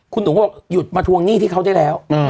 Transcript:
คุณหนูก็บอกหยุดมาทวงหนี้ที่เขาได้แล้ว